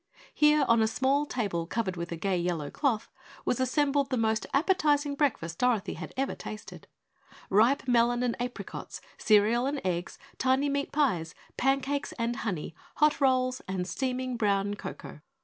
Here, on a small table covered with a gay yellow cloth, was assembled the most appetizing breakfast Dorothy ever had tasted. Ripe melon and apricots, cereal and eggs, tiny meat pies, pancakes and honey, hot rolls and steaming brown cocoa.